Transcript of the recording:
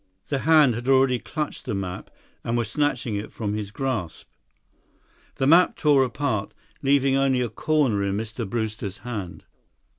The hand had already clutched the map and was snatching it from his grasp. The map tore apart, leaving only a corner in Mr. Brewster's hand.